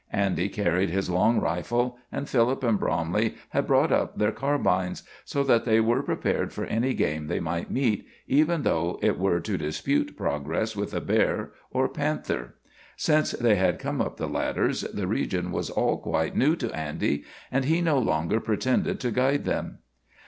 Andy carried his long rifle, and Philip and Bromley had brought up their carbines, so that they were prepared for any game they might meet, even though it were to dispute progress with a bear or panther. Since they had come up the ladders the region was all quite new to Andy, and he no longer pretended to guide them.